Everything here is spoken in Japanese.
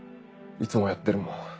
いつもやってるもん。